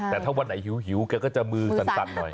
แต่เมื่อไหร่ก็จะมือสัด